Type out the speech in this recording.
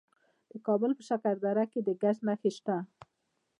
د کابل په شکردره کې د ګچ نښې شته.